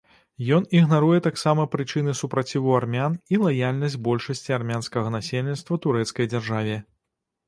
Ён ігнаруе таксама прычыны супраціву армян і лаяльнасць большасці армянскага насельніцтва турэцкай дзяржаве.